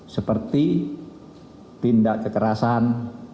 seperti tindak kekerasan